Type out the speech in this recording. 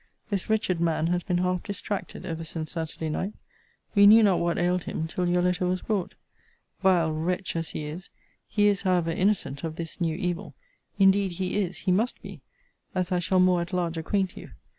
This wretched man has been half distracted ever since Saturday night. We knew not what ailed him, till your letter was brought. Vile wretch, as he is, he is however innocent of this new evil. Indeed he is, he must be; as I shall more at large acquaint you.